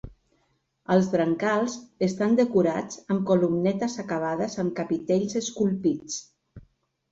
Els brancals estan decorats amb columnetes acabades amb capitells esculpits.